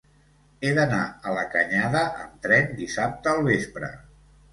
He d'anar a la Canyada amb tren dissabte al vespre.